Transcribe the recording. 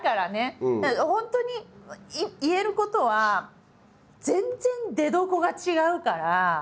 本当に言えることは全然出どこが違うから。